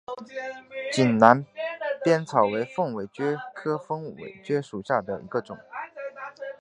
井栏边草为凤尾蕨科凤尾蕨属下的一个种。